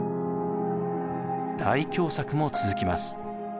大凶作も続きます。